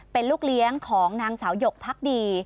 เป็นลูกเลี้ยงของนางสาวหยกพักดี